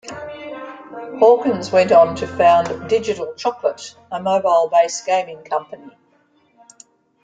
Hawkins went on to found Digital Chocolate, a mobile-based gaming company.